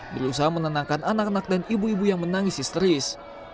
berusaha menenangkan anak anak dan ibu ibu yang menangis histeris